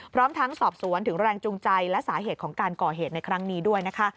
พร้อมทั้งสอบสวนถึงแรงจูงใจและสาเหตุของการก่อเหตุในครั้งนี้ด้วยนะคะ